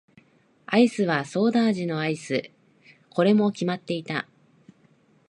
アイスはソーダ味のアイス。これも決まっていた。